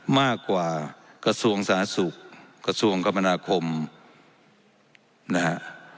มากกว่ากระทรวงสาธารณสุขกระทรวงกรรมนาคมนะฮะ